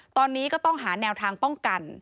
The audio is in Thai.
ตอนนี้ก็ต้องหาแนวทางป้องกัน